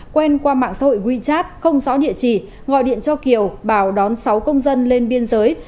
quen qua mạng xã hội wechat không rõ địa chỉ gọi điện cho kiều bảo đón sáu công dân lên biên giới